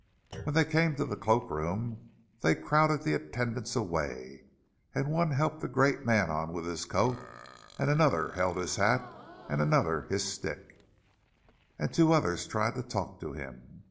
When they came to the coat room, they crowded the attendants away, and one helped the great man on with his coat, and another held his hat, and another his stick, and two others tried to talk to him.